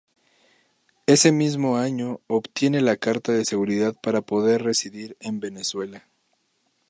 Ese mismo año obtiene la carta de seguridad para poder residir en Venezuela.